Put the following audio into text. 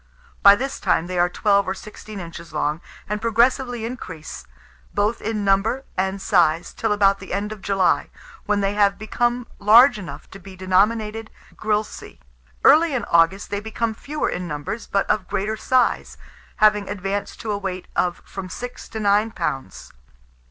By this time they are twelve or sixteen inches long, and progressively increase, both in number and size, till about the end of July, when they have become large enough to be denominated grilse. Early in August they become fewer in numbers, but of greater size, haying advanced to a weight of from six to nine pounds.